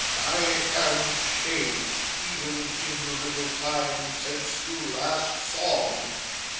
I am changed, even in the little time since you last saw me.